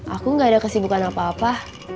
aku gak ada kesibukan apa apa